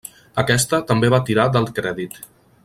Aquesta també va tirar del crèdit.